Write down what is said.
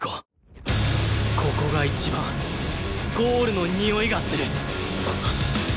ここが一番ゴールのにおいがする！